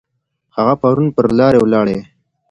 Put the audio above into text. هغه پرون پر لارې ولاړی.